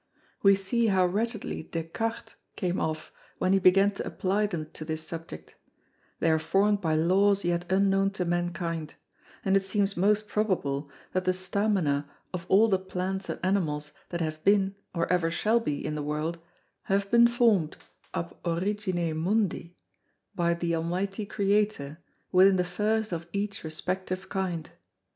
We see how wretchedly Des Cartes came off when he began to apply them to this Subject; they are formed by Laws yet unknown to Mankind; and it seems most probable, that the Stamina of all the Plants and Animals that have been, or ever shall be in the World, have been form'd, ab Origine Mundi, by the Almighty Creator within the first of each respective kind.